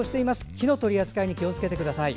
火の取り扱いに気をつけてください。